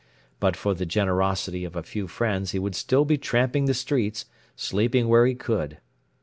But for the generosity of a few friends he would still be tramping the streets, sleeping where he could.